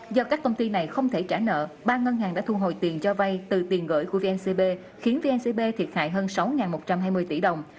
do các công ty này không thể trả nợ ba ngân hàng đã thu hồi tiền cho vay từ tiền gửi của vncb khiến vncb thiệt hại hơn sáu một trăm hai mươi tỷ đồng